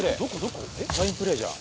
ファインプレーじゃん。